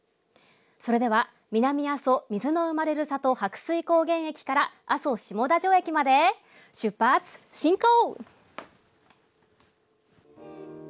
それでは南阿蘇水の生まれる里白水高原駅から阿蘇下田城駅まで出発進行！